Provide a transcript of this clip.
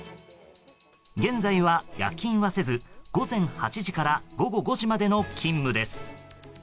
現在は夜勤はせず、午前８時から午後５時までの勤務です。